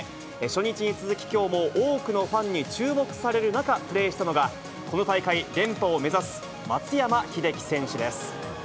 初日に続ききょうも多くのファンに注目される中、プレーしたのが、この大会連覇を目指す松山英樹選手です。